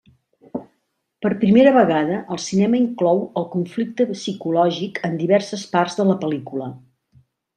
Per primera vegada el cinema inclou el conflicte psicològic en diverses parts de la pel·lícula.